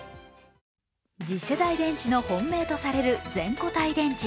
次世代電池の本命とされる全固体電池。